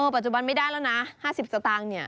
ปัจจุบันไม่ได้แล้วนะ๕๐สตางค์เนี่ย